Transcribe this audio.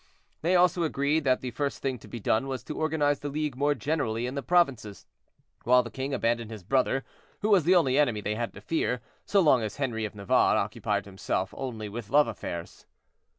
They also agreed that the first thing to be done was to organize the League more generally in the provinces, while the king abandoned his brother, who was the only enemy they had to fear, so long as Henri of Navarre occupied himself only with love affairs.